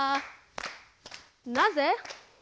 なぜ？